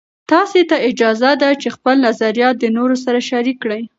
تاسې ته اجازه ده چې خپل نظریات د نورو سره شریک کړئ.